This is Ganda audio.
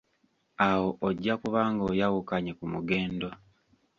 Awo ojja kuba ng'oyawukanye ku mugendo.